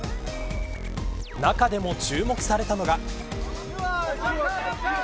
中でも注目されたのが。